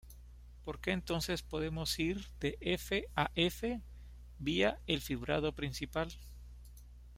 Porque entonces podemos ir de "F" a "F", "vía" el fibrado principal.